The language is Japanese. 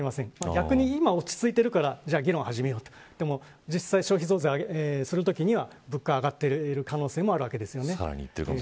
逆に、今落ち着いているから議論を始めようという実際に増税するときには物価が上がっている可能性もあります。